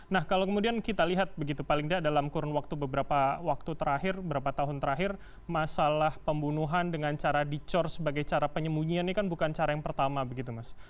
nah kalau kemudian kita lihat begitu paling tidak dalam kurun waktu beberapa waktu terakhir beberapa tahun terakhir masalah pembunuhan dengan cara dicor sebagai cara penyembunyian ini kan bukan cara yang pertama begitu mas